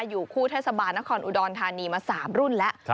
อยู่คู่เทศบาลนครอุดรธานีมา๓รุ่นแล้ว